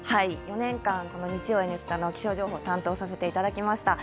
４年間、この日曜「Ｎスタ」の気象情報を担当させていただきました。